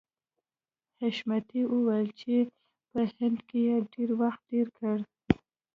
حشمتي وویل چې په هند کې یې ډېر وخت تېر کړی